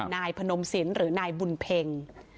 นายพนมศิลป์หรือนายบุญเพ็ง